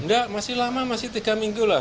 enggak masih lama masih tiga minggu lah